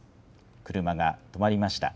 車が止まりました。